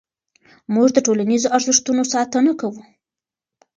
موږ د ټولنیزو ارزښتونو ساتنه کوو.